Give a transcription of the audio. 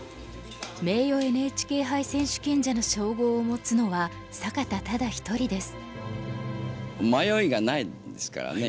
名誉ＮＨＫ杯選手権者の称号を持つのは坂田ただ一人です。